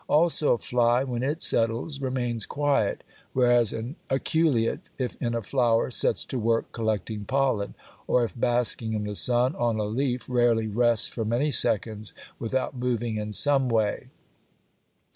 Also, a fly when it settles remains quiet, whereas an aculeate if in a flower sets to work collecting pollen, or if basking in the sun on a leaf rarely rests for many seconds without moving in some way.